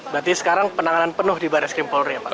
berarti sekarang penanganan penuh di barres krimpolri ya pak